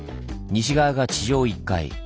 西側が地上１階。